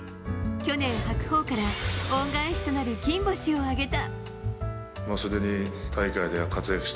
去年、白鵬から恩返しとなる金星を挙げた。